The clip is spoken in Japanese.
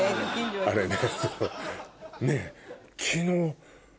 あれね。